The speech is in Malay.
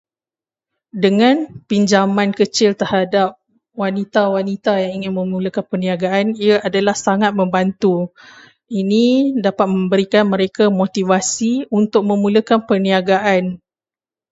Dengan pinjaman kecil terhadap wanita-wanita yang ingin memulakan perniagaan, ia adalah sangat membantu. Ini dapat memberikan mereka motivasi untuk memulakan perniagaan.